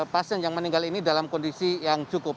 pasien yang meninggal ini dalam kondisi yang cukup